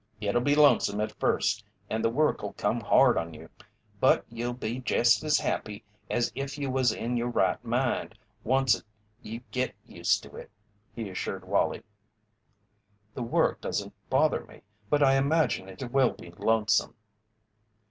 "It'll be lonesome at first, and the work'll come hard on you, but you'll be jest as happy as if you was in your right mind, onct you git used to it," he assured Wallie. "The work doesn't bother me, but I imagine it will be lonesome."